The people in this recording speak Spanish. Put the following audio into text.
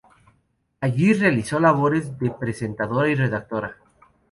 Allí realizó labores de presentadora y redactora.